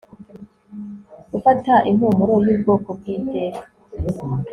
Gufata impumuro yubwoko bwiteka